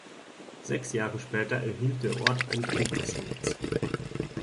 Sechs Jahre später erhielt der Ort ein Trinkwassernetz.